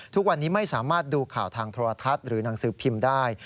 ทุกวันนี้ไม่สามารถดูข่าวทางโทรทัศน์หรือหนังสือพิมพ์ได้